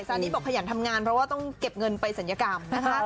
นี้บอกขยันทำงานเพราะว่าต้องเก็บเงินไปศัลยกรรมนะคะ